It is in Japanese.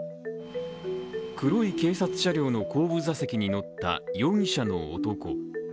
黒い警察車両の後部座席に乗った容疑者の男。